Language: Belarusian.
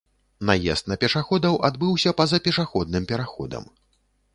Наезд на пешаходаў адбыўся па-за пешаходным пераходам.